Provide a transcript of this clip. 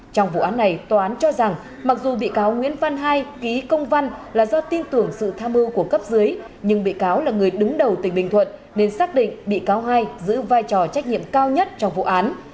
trong vụ án này tòa án cho rằng mặc dù bị cáo nguyễn văn hai ký công văn là do tin tưởng sự tham mưu của cấp dưới nhưng bị cáo là người đứng đầu tỉnh bình thuận nên xác định bị cáo hai giữ vai trò trách nhiệm cao nhất trong vụ án